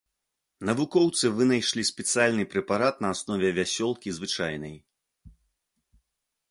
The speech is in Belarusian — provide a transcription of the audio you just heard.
Навукоўцы вынайшлі спецыяльны прэпарат на аснове вясёлкі звычайнай.